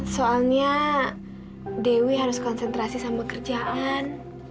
soalnya dewi harus konsentrasi sama kerjaan